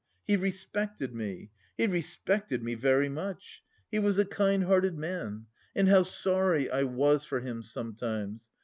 He respected me, he respected me very much! He was a kind hearted man! And how sorry I was for him sometimes!